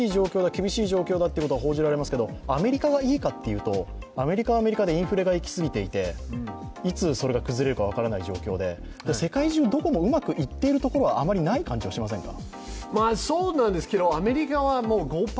厳しい状況だと報じられますけどアメリカがいいかというと、アメリカはアメリカでインフレが行き過ぎていていつ、それが崩れるか分からない状況で世界中どこもうまくいっているところはあまりない感じはしませんか？